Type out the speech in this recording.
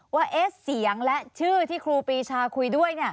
ว่าเสียงและชื่อที่ครูปีชาคุยด้วย